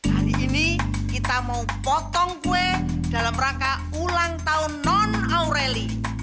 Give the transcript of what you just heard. hari ini kita mau potong kue dalam rangka ulang tahun non aureli